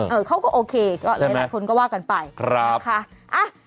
เออเขาก็โอเคก็เลยละคนก็ว่ากันไปใช่ไหมครับ